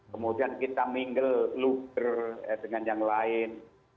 kemudian kita minggel luper dengan yang lain